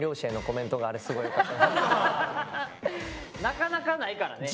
なかなかないからね。